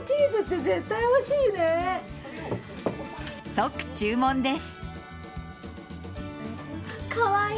即注文です。